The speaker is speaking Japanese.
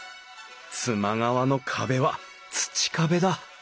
妻側の壁は土壁だ。